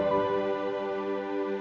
pesek air papi